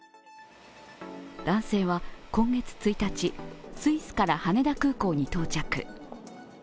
男性は今月１日、スイスから羽田空港に到着。